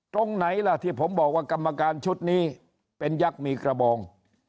ตรงไหนล่ะที่ผมบอกว่ากรรมการชุดนี้เป็นยักษ์มีกระบอง